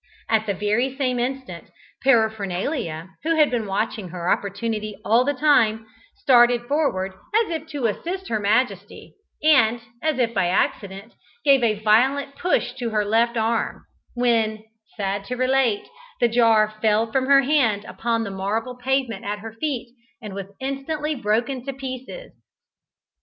At the very same instant, Paraphernalia, who had been watching her opportunity all the time, started forward as if to assist her majesty, and, as if by accident, gave a violent push to her left arm, when, sad to relate, the jar fell from her hand upon the marble pavement at her feet, and was instantly broken in pieces.